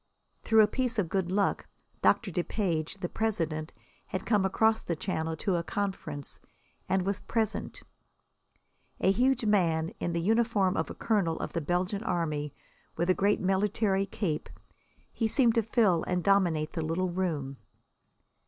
Through a piece of good luck Doctor Depage, the president, had come across the Channel to a conference, and was present. A huge man, in the uniform of a colonel of the Belgian Army, with a great military cape, he seemed to fill and dominate the little room.